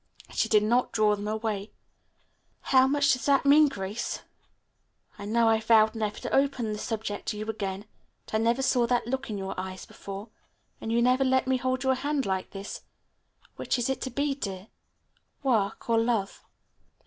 She did not draw them away. "How much does that mean, Grace? I know I vowed never to open the subject to you again, but I never saw that look in your eyes before, and you never let me hold your hands like this. Which is to be, dear; work or love?"